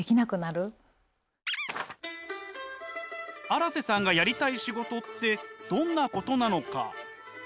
荒瀬さんがやりたい仕事ってどんなことなのか？